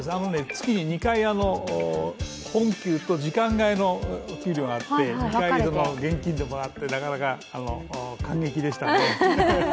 月に２回、本給と時間外のお給料があって２回、現金でもらって、なかなか感激でした。